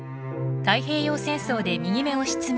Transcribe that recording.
太平洋戦争で右目を失明。